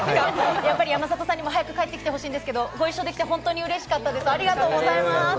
山里さんにも早く帰ってきてほしいんですけれども、ご一緒できて嬉しかったです。